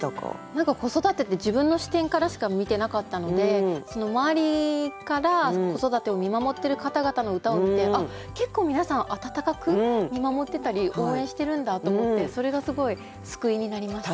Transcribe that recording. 何か子育てって自分の視点からしか見てなかったので周りから子育てを見守っている方々の歌を見て結構皆さん温かく見守ってたり応援してるんだと思ってそれがすごい救いになりました。